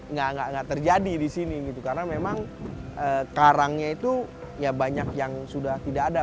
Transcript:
nggak terjadi di sini gitu karena memang karangnya itu ya banyak yang sudah tidak ada